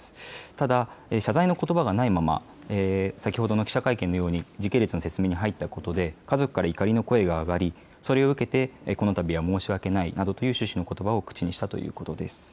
ただ謝罪のことばがないまま先ほどの記者会見のように時系列の説明に入ったことで家族から怒りの声が上がりそれを受けてこのたびは申し訳ないといった趣旨のことばを口にしたということです。